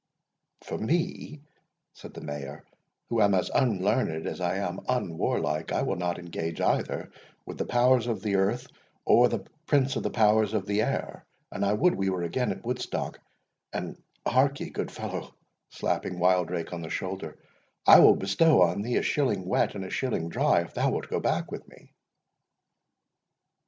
"For me," said the Mayor, "who am as unlearned as I am unwarlike, I will not engage either—with the Powers of the Earth, or the Prince of the Powers of the Air, and I would we were again at Woodstock;—and hark ye, good fellow," slapping Wildrake on the shoulder, "I will bestow on thee a shilling wet and a shilling dry if thou wilt go back with me."